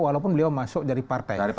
walaupun beliau masuk dari partai